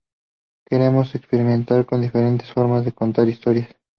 Queremos experimentar con diferentes formas de contar historias.